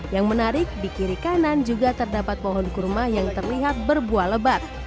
yang menarik di kiri kanan juga terdapat pohon kurma yang terlihat berbuah lebat